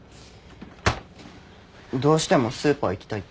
どうしてもスーパー行きたいって。